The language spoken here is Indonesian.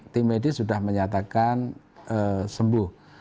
tim medis sudah menyatakan sembuh